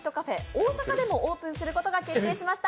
大阪でもオープンすることが決まりました。